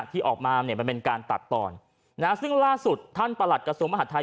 ที่ออกมาเนี่ยมันเป็นการตัดตอนซึ่งล่าสุดท่านประหลัดกระทรวงมหาดไทย